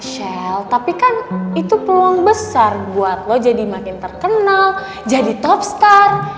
shell tapi kan itu peluang besar buat lo jadi makin terkenal jadi top star